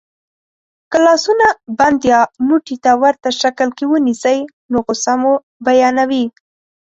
که لاسونه بند یا موټي ته ورته شکل کې ونیسئ نو غسه مو بیانوي.